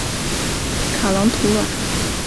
卡朗图瓦。